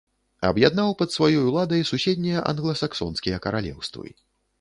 Аб'яднаў пад сваёй уладай суседнія англасаксонскія каралеўствы.